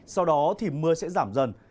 sau đó mưa sẽ giảm dần